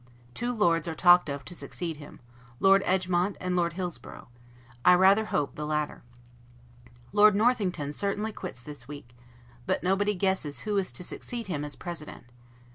Two Lords are talked of to succeed him; Lord Egmont and Lord Hillsborough: I rather hope the latter. Lord Northington certainly quits this week; but nobody guesses who is to succeed him as President.